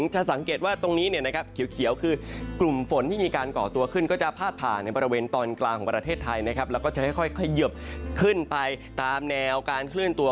จะเกิดเขียบขึ้นไปตกบริเวณทางตอนบนของประเทศไทยเรื่อยนะครับ